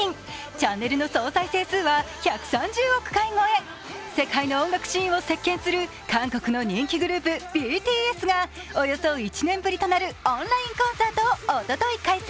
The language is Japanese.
チャンネルの総再生数は１３０億回超え世界の音楽シーンを席巻する韓国の人気グループ、ＢＴＳがおよそ１年ぶりとなるオンラインコンサートをおととい開催。